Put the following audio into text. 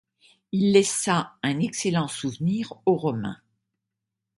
Il laissa un excellent souvenir aux Romains.